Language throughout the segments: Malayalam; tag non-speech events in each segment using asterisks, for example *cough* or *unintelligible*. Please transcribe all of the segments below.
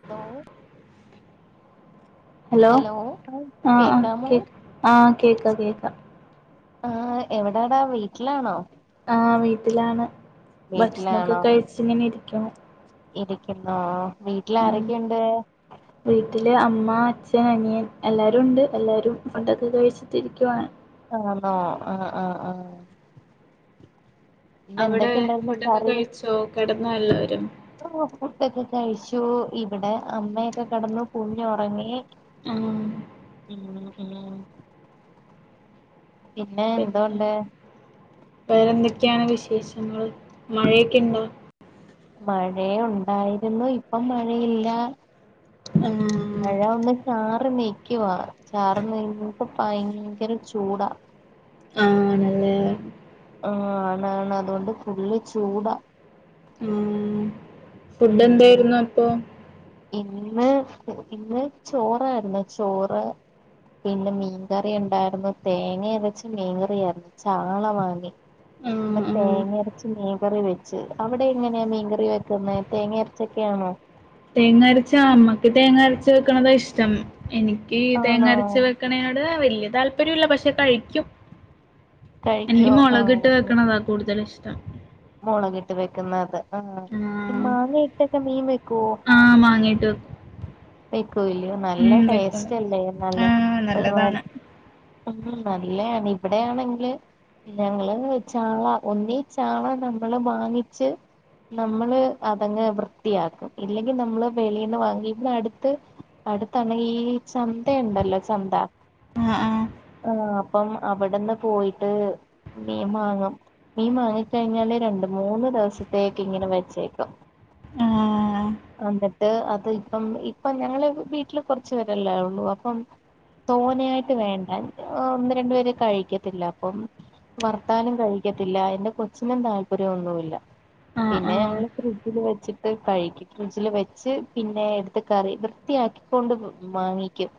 *unintelligible* ഹലോ ആഹ് ആഹ് കേക്കാമോ ആഹ കേക്ക്‌ കേക്ക കേക്ക ആഹ് എവിടാടാ വീട്ട്ലാണോ? ആഹ് വീട്ടിലാണ് ഭക്ഷണൊക്കെ വീട്ടിലാണോ കഴിച്ച്ങ്ങനെ ഇരിക്കുണു. ഇരിക്കുന്നോ ഉം വീട്ട്ലാരൊക്കെയ്ണ്ട്? വീട്ടില് അമ്മ അച്ഛൻ അനിയൻ എല്ലാവരും ഉണ്ട്. എല്ലാരും ഫുഡൊക്ക കഴിച്ചിട്ടിരിക്കുവാണ്. ആണോ ആഹ് ആഹ് ആഹ്. ഇന്ന് അവടെ എന്തൊക്കെ ഉണ്ടായിരുന്നു ഫുഡൊക്കെ കഴിച്ചോ കെടന്നോ എല്ലാവരും. ഓഹൊ ഫുഡൊക്കെ കഴിച്ചു ഇവിടെ അമ്മയൊക്കെ കെടന്നു കുഞ്ഞൊറങ്ങി. ആഹ് *unintelligible* പിന്നെ വേറെന്തെക്കെയാണ് വിശേഷങ്ങള് മഴെയ്ക്ക്‌ണ്ടോ? മഴെ ഉണ്ടായിരുന്നു ഇപ്പം മഴയില്ല. ആഹ് മഴ ഒന്ന് ചാറി നിക്ക്യുവാ ചാറ് നെയട്ട ഭയങ്കര ചൂടാ. ആ ആണല്ലേ. ആ ആണാണ് അതുകൊണ്ട് ഫുള്ള് ചൂടാ. ഉം ഉം ഫുഡെന്തെയ്രുന്നു അപ്പൊ? ഇന്ന് ഇന്ന് ചോറായ്രുന്നു ചോറ്. പിനെ മീൻകറി ഇണ്ടായിരുന്നു. തേങ്ങ അരച്ച മീൻകറിയായിരുന്നു. ചാള വാങ്ങി. അപ്പ ആഹ് ആഹ് തേങ്ങയരച്ച് മീൻകറി വെച്ച്. അവിടെ എങ്ങനെയാ മീൻകറി വെക്കുന്നെ തേങ്ങ അരച്ചൊക്കെയാണോ? തേങ്ങ അരച്ചാ അമ്മക്ക് തേങ്ങ അരച്ച് വെക്കണത ഇഷ്ടം എനിക്ക് തേങ്ങ ആണോ അരച്ച് വെകെ വെക്കണെയൊട് വെല്യ താല്പര്യംല്ല പക്ഷെ കഴിക്കും. എനിക്ക് കഴിക്കോ മൊളക് ട്ട് വെക്കണതാ കൂടുതലിഷ്ട്ടം. മൊളകിട്ട് വെക്കുന്നത്ത് ആഹ് ആഹ് മാങ്ങയിട്ടൊക്കെ മീൻ വെക്കുവോ? ആഹ് മാങ്ങയിട്ട് വെക്കും. വെക്യോ വില്യോ നല്ല ഉം വെക്കും വെക്കും ടേസ്റ്റ്ല്ലേ നല്ല ആഹ് നല്ലതാണ് ഒരുപാട്. ഉം ന്നല്ലയാണിവിടെയാണെങ്കില്. ഞങ്ങള് ചാള ഒന്നീ ചാള നമ്മള് വാങ്ങിച്ച്. നമ്മള് അതങ്ങ് വൃത്തിയാക്കും ഇല്ലെങ്കിനമ്മള് വെളീന്ന് വാങ്ങി ഇവിട അടു ത്ത് അടുത്തണയി ചന്തയിണ്ടല്ലോ ചന്ത. ആഹ് ആഹ് ആഹ് അപ്പം അവിടന്ന് പോയിട്ട് മീം വാങ്ങും. മീം വാങ്ങിക്കഴിഞ്ഞാല് രണ്ട് മൂന്ന് ദിവസത്തേക്ക്ങ്ങനെ വെച്ചേക്കും. ആഹ് അന്ത്ട്ട് അത് ഇപ്പം ഇ- പ്പം ഞങ്ങള് വീട്ടില് കൊറച്ചു പേരെല്ലെഒള്ളൂ അപ്പം. തോനെയായ്ട്ട് വേണ്ടഏ ഒന്നു രണ്ടു പേര് കഴിക്കത്തില്ല അപ്പം. വർത്താലും കഴിക്കത്തില്ല എന്റെ കൊച്ചിനും താല്പര്യന്നുല്ല ആഹ് പിന്നെ ആഹ് ഞങ്ങള് ഫ്രിഡ്ജില് വെച്ചിട്ട് കഴിക്കും. ഫ്രിഡ്ജില് വെച്ച് പിന്നെ എടുത്ത് ക കറി വൃത്തിയാക്കി ക്കൊണ്ട് വാങ്ങിക്കും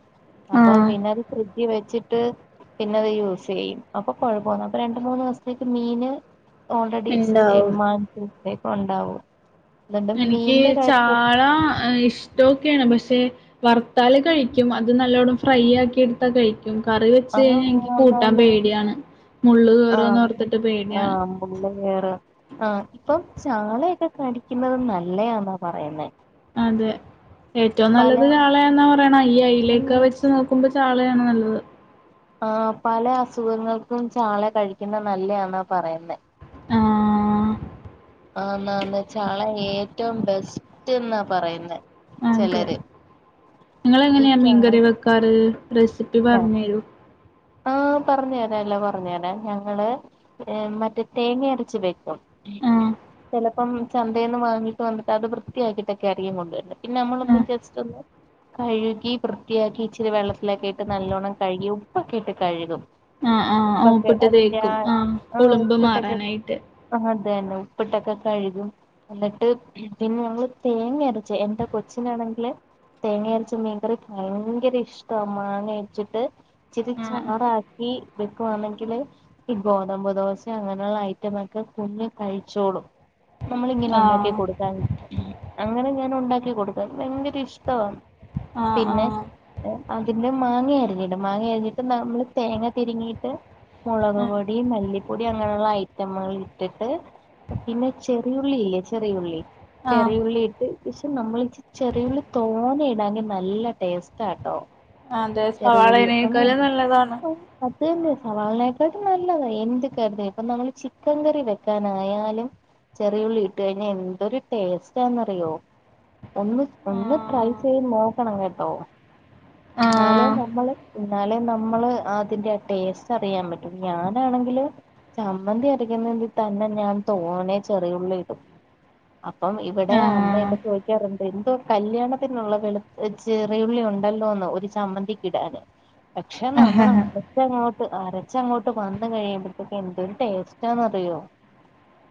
അപ്പം ആഹ് പിന്നത് ഫ്രിഡ്ജി വെച്ചിട്ട് പിന്നത് യൂസെയ്യും അപ്പൊ കൊഴപ്പൊന്ന അപ്പൊ രണ്ട് മൂന്ന് ദിവസത്തേക്ക് മീന് ഓൾറെഡി ഇണ്ടാവും *unintelligible* ഉണ്ടാവും എന്നിട്ട് എനിക്ക് മീന്റെ കാര്യത്തിൽ ചാള ഏഹ് ഇഷ് ഷ്ട്ടൊക്കെയാണ് പക്ഷെ വറുത്താല് കഴിക്കും. അത് നല്ലവണ്ണം ഫ്രൈ ആക്കി എടുത്താ കഴിക്കും കറി വെച്ച് ആഹ് കഴിഞ്ഞാ എനിക്ക് കൂട്ടാൻ ആന്നാന്ന് പേടിയാണ് മുള്ള് ആഹ് കേറോന്നോർത്തിട്ട് പേടിയാണ് ആഹ് മുള്ള് കേറ ആഹ് ഇപ്പം ചാളയൊക്കെ കയിക്കുന്നത് നല്ലയാന്നാ പറയുന്നേ അതെ ഏറ്റവും പല നല്ലത് ചാള എന്നാ പറയണ ഇ അയല ലേക്ക വെച് ച്ച് നോക്കുമ്പോൾ ചാളയാണ് നല്ലത് ആഹ് പല അസുഖങ്ങൾക്കും ചാള കഴിക്കുന്ന നല്ലന്നാ പറയുന്നെ ആഹ് ആന്നാ ന്ന് ചാളെ ഏറ്റവും ബെസ്റ്റ് എന്നാ പറയുന്ന അതെ ചിലര് നിങ്ങളെങ്ങനെയാ മീൻകറി വെക്കാറ് റെസിപ്പി പറഞ്ഞ രു ആഹ് പറഞ്ഞു തരാല്ലോ പറഞ്ഞു തരാം ഞങ്ങള് മറ്റേ തേങ്ങ അരച്ച് വെക്കും ആ ചെലപ്പം ചന്തെന്ന് വാങ്ങിട്ട് വന്നിട്ട് അത് വൃത്തിയാക്കിട്ടൊക്കെ അനിയൻ കൊണ്ടോരൽ പിന്നെ ഞമ്മൾ ഒന്നിച്ചു ആ വേചലോ കഴുകി വൃത്തിയാക്കി ഇച്ചിരി വെള്ളത്തിലൊക്കെ ഇട്ട് നല്ലോണ്ണം കഴുകി ഉപ്പൊക്കെ ഇട്ട് കഴുകും ആഹ് ആഹ് ഉപ്പൊക്കെ ഉപ്പിട്ട് അതിന്റെ ആ തേക്കും ആഹ് ഉളുമ്പ് മാറാനായിട്ട് അതെന്നെ ഉപ്പ്ട്ടോക്ക ക്കഴുകും എന്നിട്ട് പിന്നെ ഞങ്ങള് തേങ്ങ അരച്ച് എന്റെ കൊച്ചിനാണെങ്കില് തേങ്ങ അരച്ച മീൻക്കറി ഭയങ്കര ഇഷ്ട മാങ്ങ ഇട്ടിട്ട് ഇച്ചിരി ആ ചാറാക്കി വെക്കുവാണെങ്കില് ഈ ഗോതമ്പ് ദോശ അങ്ങനെയുള്ള ഐറ്റമ ക്കെ കുഞ്ഞ് കഴിച്ചോളൂ നമ്മള ഇങ്ങനെ ആ ഉണ്ടാക്കി കൊടുക്കാൻ അങ്ങനെ ഞാൻ ഉണ്ടാക്കി കൊടുക്കാൻ ഭയങ്കര ഇഷ്ടാ ആ പിന്നെ ആ അതിന്റെ മാങ്ങയരഞ്ഞീടും മാങ്ങ ന്നിട്ട് നമ്മള് തേങ്ങ തിരിമിയിട്ട് മുളക് ആ പൊടി മല്ലിപ്പൊടി അങ്ങനെള്ള ആയിറ്റം പച്ച മുളക് ഇട്ടിട്ട് പിന്നെ ചെറിയുള്ളില്ലേ ചെറിയുള്ളി ആഹ് ചെറിയുള്ളി ഇട്ട് പക്ഷെ നമ്മള ചെറിയുള്ളി തോന്നയിടാങ്കിൽ നല്ല ടേസ്റ്റ് ട്ടോ അതെ സവാളനക്കാലും നല്ലതാണ് അതനെ സവാളിനെക്കാട്ടി നല്ലതാ എന്ത് കറി ഇനി ഇപ്പൊ നമ്മള് ചിക്കൻ കറി വെക്കാനായാലും ചെറിയുള്ളി ഇട്ട് കഴിഞ്ഞാൽ എന്തരു ടേസ്റ്റാന്ന്റിയോ ഒന്ന് ഒന്ന് ട്രൈ ആഹ് ചെയ്ത് നോക്കണം കേട്ടോ ഇന്നാലെ ആഹ് നമ്മള് ഇന്നാലെ നമ്മ നമ്മള് അതിന്റെ ടേസ്റ്റ് അറിയാൻ പറ്റും ഞാനാണെങ്കില് ചമ്മന്തി അരക്കുന്നതിൽ തന്നെ ഞാൻ തോനേ ചെറിയുള്ളി ഇടും അപ്പം ഇവിടെ ആഹ് അമ്മയൊക്കെ ചോദിക്കാറുണ്ട് എന്തോ കല്യാണത്തിനുള്ള വെളു ചെറിയുള്ളി ഉണ്ടല്ലോന്ന് ഒരു ചമ്മന്തിക്ക ഇടാന് പക്ഷെ നമ്മള അ അച്ചങ്ങോട്ട് അരച്ചങ്ങോട്ട് വന്ന കഴിയുമ്പഴത്തേക്ക് എന്തൊരു ടേസ്റ്റാന്ന്റിയോ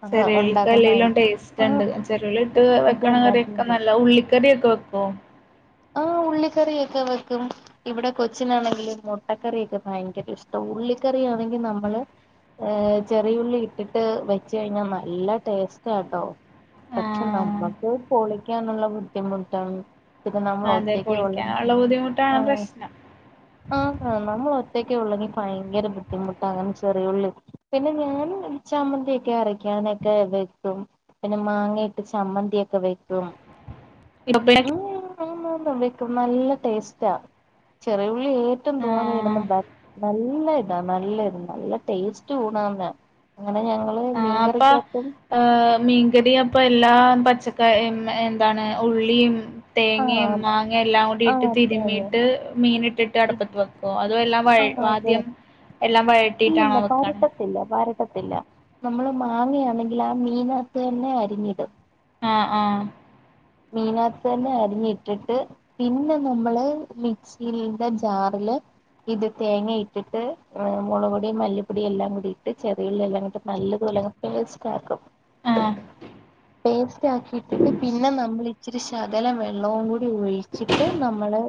ചെറിയ ഉളിക്ക് എല്ലെങ്കലും ടേസ്റ്റ് ആ ഉണ്ട് ചെറിയ ഉളിട്ട് വെക്കണ അതന്നെ കറിയൊക്കെ അതന്നെ നല്ല ഉള്ളിക്കറിയൊക്കെ വെക്കോ ആഹ് ഉള്ളിക്കറിയൊക്കെ വെക്കും ഇവിടെ കൊച്ചിനാണെങ്കിലും മുട്ടക്കറിയൊക്കെ ഭയങ്കര ഇഷ്ട ഉള്ളിക്കറി ആണെങ്കി നമ്മള് ഏഹ് ചെറിയുള്ളി ഇട്ടിട്ട് വെച്ച കഴിഞ്ഞാൽ നല്ല ടേസ്റ്റ ട്ടോ പക്ഷെ ആഹ് നമ്മുക്ക് പൊളിക്കാനുള്ള ബുദ്ധിമുട്ടാണ് പിന്നെ നമ്മൾ അതെ ഒറ്റേക്ക് ഉള്ളങ്കി പൊളിക്കാനുള്ള ബുദ്ധിമുട്ടാണ് *unintelligible* പ്രശ്നം ആഹ് നമ്മൾ ഒറ്റക്ക ഉള്ളെങ്കിൽ ഭയങ്കര ബുദ്ധിമുട്ട് അങ്ങനെ ചെറിയുള്ളി പിന്നെ ഞാൻ ചമ്മന്തിക്കെ അരക്കാനൊക്കെ വെക്കും പിന്നെ മാങ്ങയിട്ട് ചമ്മന്തി ഒക്കെ വെക്കും *inaudible* *unintelligible* വക്കും നല്ല ടേസ്റ്റ ചെറിയ ഉള്ളി ഏഹ് റ്റും തോന്നിയിടുന്ന ആഹ് ബെറ്റ് നല്ല ഇതാ നല്ല ഇത് നല്ല ടേസ്റ്റ് ഊണാന്ന് അങ്ങനെ ഞങ്ങള് ആഹ് അപ്പ മീൻകറി അപ്പൊ എല്ലാ പച്ചക്ക എന്താണ് ഉള്ളിയും തേങ്ങയും ആഹ് മാങ്ങ എല്ലാം കൂടി ഇട്ട് ആഹ് തേങ്ങ തിരുമ്മീയിട്ട് മീൻ ഇട്ടിട്ട് ട്ട് അട്പ്പത്ത് വെക്കും അതുവല്ല വഴ ആദ്യം എല്ലാം വഴറ്റ് ഇല്ലല്ല ഭാരത റ്റത്തില്ല വരട്ടത്തില്ല നമ്മള് മാങ്ങയാണെങ്കില് ആ മീനാത്ത് തന്നെ അരിഞ്ഞിടും ആഹ് ആഹ് മീനാത്ത് തന്നെ അരിഞ്ഞിട്ടിട്ട് പിന്നെ നമ്മള് മിക്സിടെ ജാറില് ഇത് തേങ്ങ ഇട്ടിട്ട് മുളക്പൊടി മല്ലിപ്പൊടിയല്ലാം കൂടിട്ട് ചെറിയുള്ളി എല്ലാം ഇട്ട് നല്ലതുപോല പേസ്റ്റാക്കും ആഹ് പേസ്റ്റ് ആക്കിട്ടിട്ട് പിന്നെ നമ്മ ഇച്ചിരി ശകലം വെള്ളവും കൂടി ഒഴിച്ചിട്ട് നമ്മള്.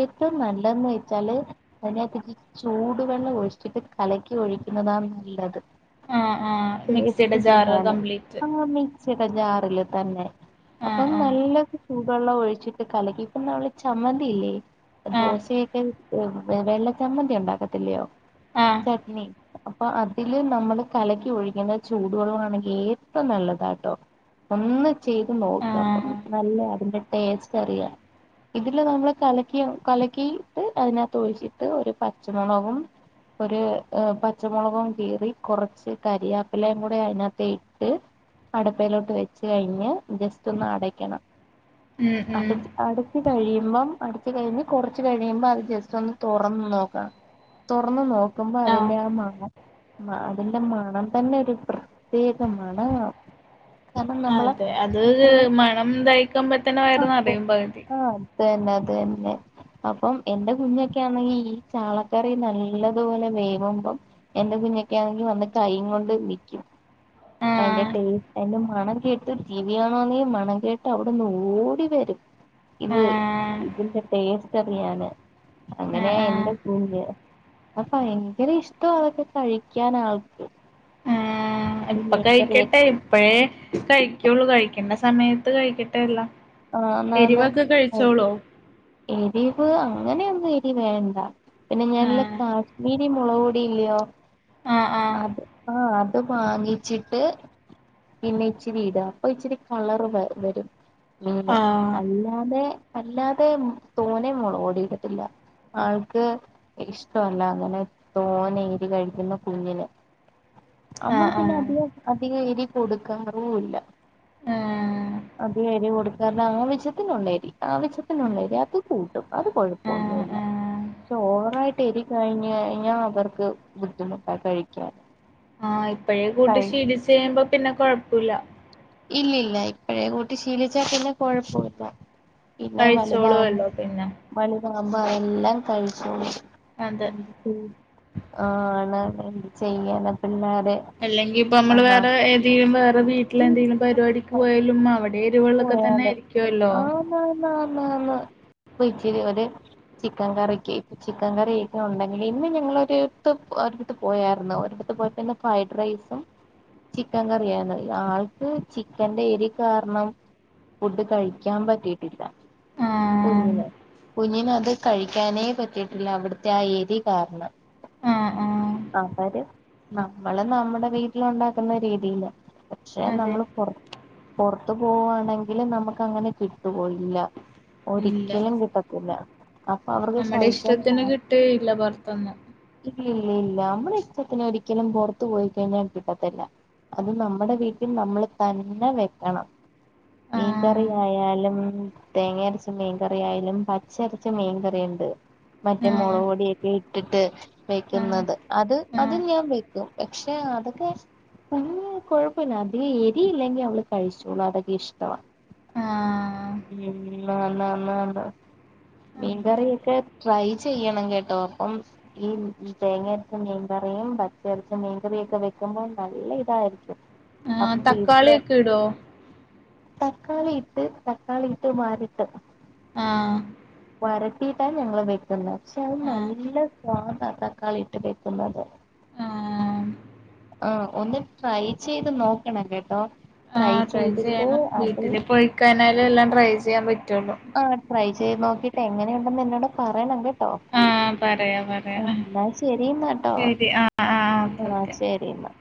ഏറ്റവും നല്ലന്ന് വച്ചാല് അതിനാത്തിച്ചി ചൂടുവെള്ളം ഒഴിച്ചിട്ട് കലക്കി ഒഴിക്കുന്നതാണ് നല്ലത് ആഹ് ആഹ് മിക്സിയുടെ ടേസ്റ്റ് ജാറ് കൂടാന് കംപ്ലീറ്റ് അ മിക്സിടെ ജാറില് തന്നെ ആഹ് അപ്പം ആഹ് നല്ല ചൂടു വെള്ളം ഒഴിച്ചിട്ട് കലക്കി ഇപ്പൊ നമ്മളെ ചമ്മന്തിയില്ലേ ആഹ് ദോശയൊക്കെ വെള്ള ചമ്മന്തി ഉണ്ടാക്കത്തില്ലയോ ആഹ് ചട്നി അപ്പൊ അതില് നമ്മള് കലക്കി ഒഴിക്കുന്ന ചൂടുവെള്ളവാണെങ്കി ഏറ്റവും നല്ലതാട്ടോ ഒന്ന് ചെയ്ത് നോക്ക് അപ്പം ആഹ് നല്ല അതിന്റെ ടേസ്റ്റ് അറിയാം ഇതില് നമ്മള് കലക്കി കലക്കിയിട്ട് അതിനകത്ത് ഒഴിച്ചിട്ട് ഒരു പച്ചമുളകും ഒരു പച്ചമുളകും കീറി കുറച്ച് കരിയാപ്പിലയും കൂടെ അതിനകത്ത് ഇട്ട് അടുപ്പയിലോട്ട് വെച്ച് കഴിഞ്ഞ് ജസ്റ്റ് ഒന്ന് അടക്കണം ഉം അടു ഉം അടു അടച്ച് കഴിയുമ്പം അടച്ച് കഴിഞ്ഞ് കുറച്ച് കഴിയുമ്പ അത് ജസ്റ്റ് ഒന്ന് തുറന്ന് നോക്കാം തൊറന്ന് നോക്കുമ്പോ ആഹ് അതിന്റെ ആ മണം അതിന്റെ മണം തന്നെ ഒരു പ്രത്യേക മണവാ കാരണം നമ്മള് അതെ അത് ഇത്രയും മണം തയ്ക്കുമ്പോത്തന്നെ വയറ് അതെ നിറയും പകുതി ആഹ് അത് തന്നെ അത് തന്നെ അപ്പം എന്റെ കുഞ്ഞൊക്കെ ആണെങ്കി ഈ ചാളക്കറി നല്ലതുപോലെ വേകുമ്പം എന്റെ കുഞ്ഞക്കെണെങ്കി വന്ന് കൈയും കൊണ്ട് നിക്കും അതിന്റെ ആഹ് ടേസ്റ്റ് അതിന്റെ മണം കേട്ട് ടി വി കാണുവാണെ മണം കേട്ട് അവിടെന്ന് ഓടി വരും ഇത് ആഹ് ഇതിന്റെ ടേസ്റ്റ് അറിയാന് ആഹ് അങ്ങനെയാ ആഹ് എന്റെ കുഞ്ഞ് അത് ഭയങ്കര ഇഷ്ടവ അതൊക്കെ കഴിക്കാൻ ആൾക്ക് ഈ ഇപ്പ കഴിക്കട്ടെ മീൻകറിയൊക്കെ ഇപ്പഴേ കഴിക്കുള്ളൂ കഴിക്കണ്ട സമയത്ത് കഴിക്കട്ടെ എല്ലാം ആന്നാന്ന് എരിവക്കെ കഴിച്ചോളുവോ എരിവ് അങ്ങനെയൊന്നും എരി വേണ്ടാ പിന്നെ ഞാനില്ല ആഹ് കാശ്മീരി മുളക് പൊടി ഇല്ലയോ ആഹ് ആഹ് അത് ആഹ് അത് വാങ്ങിച്ചിട്ട് പിന്നെ ഇച്ചിരി ഇടും അപ്പൊ ഇച്ചിരി കളർ വ വരും മീന് അല്ലാതെ അല്ലാതെ തോനേ മൊളക് പൊടി ഇടത്തില്ല ആൾക്ക് ഇഷ്ടവല്ല അങ്ങനെ തോനേരിവ് കഴിക്കുന്നെ കുഞ്ഞിന് നമ്മള് ആഹ് പിന്നെ ആഹ് അധിക അധികം എരി കൊടുക്കാറും ഇല്ല ആഹ് അധികം എരിവ് കൊടുക് കാരണം ആവശ്യത്തിനുണ്ടെരി ആവശ്യത്തിനുണ്ടെരി അത് കൂട്ടും അത് ആഹ് ആഹ് കൊഴപ്പൊന്നുല്ല ആഹ് പക്ഷെ ഓവറായിട്ട് എരി കഴിഞ്ഞഴിഞ്ഞാ അവർക്ക് ബുദ്ധിമുട്ടാ കഴിക്കാൻ ആഹ് ഇപ്പഴേ കൂട്ടി കഴി ശീലിച്ച് കഴിയുമ്പോ പിന്നെ കൊഴപ്പില്ല ഇല്ലില്ല ഇപ്പോഴേ കൂട്ടി ശീലിച്ചാൽ പിന്നെ കൊഴപ്പല്ല പിന്നെ വലുതാവും കഴിച്ചോളുവല്ലോ പിന്നെ വലുതാവുമ്പ അതെല്ലാം കഴിച്ചോളും അതെ ആഹ് ആണ് എന്ത് ചെയ്യാന പിള്ളോരേ അല്ലെങ്കി ഇപ്പ നമ്മള് വേറെ ഏതേലും വേറെ വീട്ടിലെന്തെങ്കിലും പരിപാടിക്ക് പോയാലും അവിടെ എരുവു പോയാലും ആന്നാന്നാന്ന് പോയിച്ചിരി ഒരു ചിക്കൻ കറിക്ക് ചിക്കൻ കറിയൊക്കെ ഉണ്ടെങ്കിൽ ഇന്ന് ഞങ്ങളൊരു ഒരിടത്ത് ഒരിടത്ത് പോയായിരുന്നു ഒരിടത്ത് പോയ പിന്നെ ഫ്രൈഡ് റൈസും ചിക്കൻ കറിയാണ് ആൾക്ക് ചിക്കന്റെ എരി കാരണം ഫുഡ് കഴിക്കാൻ പറ്റീട്ടില്ല ആഹ് കുഞ്ഞിന് കുഞ്ഞിന് അത് കഴിക്കാനേ പറ്റിയിട്ടില്ല അവിട്ത്തെ ആ എരി കാരണം ആഹ് ആഹ് അവര് നമ്മള് നമ്മുടെ വീട്ടില് ഉണ്ടാക്കുന്ന രീതിയില് പക്ഷെ അതെ നമ്മള് പൊർ പൊർത്ത് പോവാണെങ്കിൽ നമുക്ക് അങ്ങനെ കിട്ടുവോ ഇല്ല ഇല്ല ഒരിക്കലും കിട്ടത്തില്ല അപ്പൊ അവർക്ക് നമ്മടെ സഹിക്കാൻ ഇഷ്ടത്തിന് സ കിട്ടുകയില്ല പുറത്തൊന്നും. ഇല്ല ഇല്ല ഇല്ല നമ്മളെ ഇഷ്ടത്തിന് ഒരിക്കലും പുറത്തു പോയിക്കഴിഞ്ഞാൽ കിട്ടത്തില്ല അയ്ന് നമ്മുടെ വീട്ടിൽ നമ്മള് തന്നെ വെക്കണം മീൻ കറി ആഹ് ആയാലും തേങ്ങ അരച്ച മീൻ കറി ആയാലും പച്ചരച്ച മീൻ കറി ഇണ്ട് മറ്റേ ആഹ് മൊളക് പൊടിയൊക്കെ ഇട്ടിട്ട് ആഹ് വെക്കുന്നത് അത് അത് ആഹ് ഞാൻ വെക്കും പക്ഷെ അതൊക്കെ കുഞ്ഞിന് കൊഴപ്പല്ല അധികം എരി ഇല്ലെങ്കി അവള് കഴിച്ചോളും അതൊക്കെ ഇഷ്ടവാ ആഹ് ആന്ന് ആന്ന് ആന്ന് ആന്ന് മീൻകറിയൊക്കെ ട്രൈ ചെയ്യണം കേട്ടോ അപ്പം ഈ തേങ്ങ അരച്ച മീൻകറിയും പച്ചരച്ച മീൻകറിയും ഒക്കെ വെക്കുമ്പോൾ നല്ല ഇതായിരിക്കും ആ അപ്പൊ വീട്ടില് തക്കാളിയൊക്കെ ഇടോ തക്കാളി ഇട്ട് തക്കാളി ഇട്ട് വരട്ടും ആഹ് വരട്ടിയിട്ട ഞങ്ങള് വെക്കുന്നെ പക്ഷെ അത് ആഹ് നല്ല സ്വാദാ തക്കാളി ഇട്ട് വെക്കുന്നത് ആഹ് ആഹ് ഒന്ന് ട്രൈ ചെയ്ത് നോക്കണം കേട്ടോ ടൈ ആ ട്രൈ ചെയ്യണം വീട്ടില് പോയിക്കഴിഞ്ഞാലെ എല്ലാം ട്രൈ ചെയ്യാൻ പറ്റൊള്ളൂ ആ ട്രൈ ചെയ്ത് നോക്കിയിട്ട് എങ്ങനെയുണ്ടെന്ന് എന്നോട് പറയണം കേട്ടോ ആഹ് പറയാ പറയാ ആ എന്നാ ശരി ന്നാട്ടോ ശരി ആഹ് ആഹ് ഓക്കെ ആ ഓക്കെ. ശരി എന്നാ